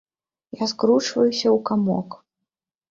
Я скурчваюся ў камок.